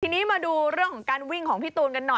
ทีนี้มาดูเรื่องของการวิ่งของพี่ตูนกันหน่อย